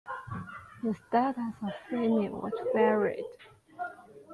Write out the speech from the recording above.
The status of women was varied.